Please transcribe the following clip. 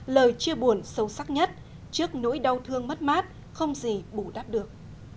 lời chia buồn sâu sắc nhất trước nỗi đau thương mất mát không gì bù đắp được